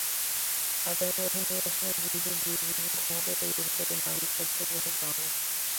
আগামী বছরের নির্বাচনে জিতে বিজেপি ক্ষমতায় এলে তাদের নাগরিকত্ব দেওয়া হবে।